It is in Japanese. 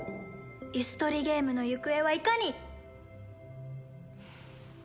イス取りゲームの行方はいかに！